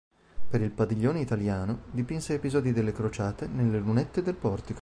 Per il padiglione italiano dipinse episodi delle crociate nelle lunette del portico.